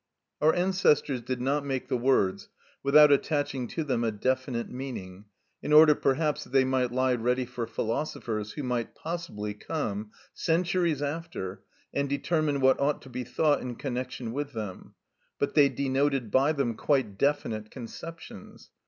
Our ancestors did not make the words without attaching to them a definite meaning, in order, perhaps, that they might lie ready for philosophers who might possibly come centuries after and determine what ought to be thought in connection with them; but they denoted by them quite definite conceptions.